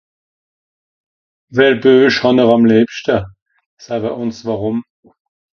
well Buech hàn'r àm lebschte sawe ùns wàrùm